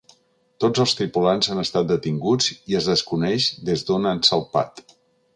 Tots els tripulants han estat detinguts i es desconeix des d’on han salpat.